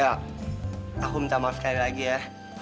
ya aku minta maaf sekali lagi ya